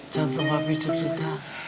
jantung papi juga